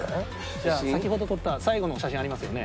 じゃあ先ほど撮った最後の写真ありますよね？